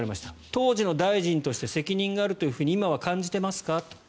当時の大臣として責任があると今は感じていますか。